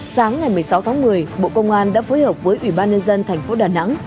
sáng ngày một mươi sáu tháng một mươi bộ công an đã phối hợp với ủy ban nhân dân thành phố đà nẵng